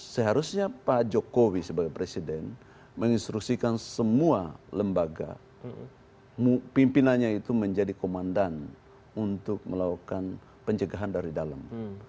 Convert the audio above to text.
seharusnya pak jokowi sebagai presiden menginstruksikan semua lembaga pimpinannya itu menjadi komandan untuk melakukan pencegahan dari dalam